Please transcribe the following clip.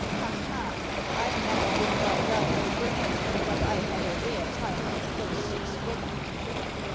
"Ha ha! I never would bow down to Rimmon, But I had a rare time with those six women!"